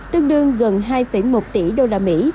tương đương gần hai một tỷ usd